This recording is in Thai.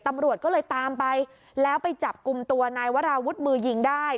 ตำรวจก็เลยตามไปแล้วไปจับกลุ่มตัวนายวราวุฒิมือยิงได้